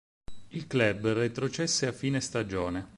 Il club retrocesse a fine stagione.